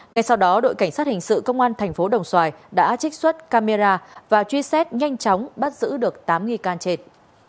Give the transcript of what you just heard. ngày sau đó đội cảnh sát hình sự công an tp đồng xoài đã trích xuất camera và truy xét nhanh chóng bắt giữ được tám nghi can chết